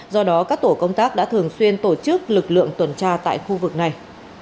do đó các tổ công tác đã thường xuyên tổ chức lực lượng tuần tra tại khu vực này